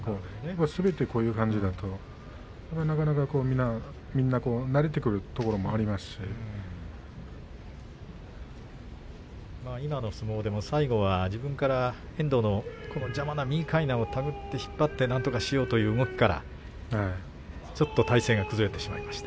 すべてこうした相撲ですとみんな慣れてくるところも今の相撲でも最後は自分から遠藤の邪魔な右のかいなを手繰っていってなんとかしようという動きからちょっと体勢が崩れてしまいました。